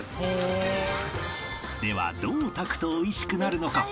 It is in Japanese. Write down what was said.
ではどう炊くと美味しくなるのか？